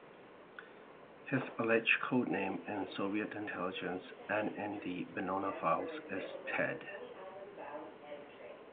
His alleged code name in Soviet intelligence and in the Venona files is "Ted".